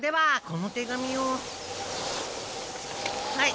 この手紙をはい。